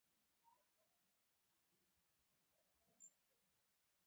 ډله ډله په هر ځای کې ښکارېدل.